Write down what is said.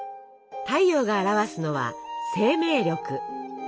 太陽が表すのは「生命力」。